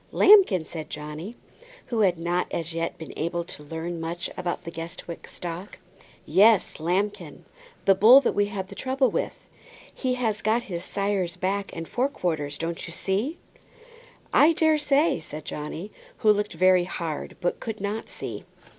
"Lambkin," said Johnny, who had not as yet been able to learn much about the Guestwick stock. "Yes, Lambkin. The bull that we had the trouble with. He has just got his sire's back and fore quarters. Don't you see?" "I daresay," said Johnny, who looked very hard, but could not see.